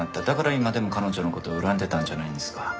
だから今でも彼女の事を恨んでたんじゃないんですか？